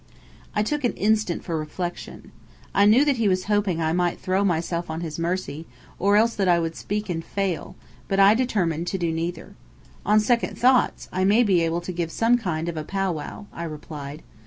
I took an instant for reflection. I knew that he was hoping I might throw myself on his mercy, or else that I would speak and fail; but I determined to do neither. "On second thoughts, I may be able to give some kind of a pow wow," I replied.